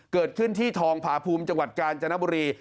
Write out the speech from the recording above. เกิดขึ้นที่ทองผาภูมิจังหวัดกาญจนบุรี